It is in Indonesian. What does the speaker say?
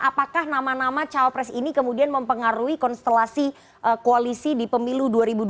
apakah nama nama cawapres ini kemudian mempengaruhi konstelasi koalisi di pemilu dua ribu dua puluh